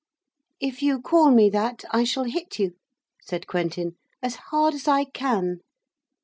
'If you call me that I shall hit you,' said Quentin, 'as hard as I can.'